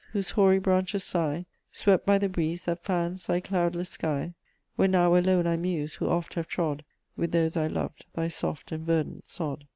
whose hoary branches sigh, Swept by the breeze that fans thy cloudless sky; Where now alone I muse, who oft have trod, With those I loved, thy soft and verdant sod.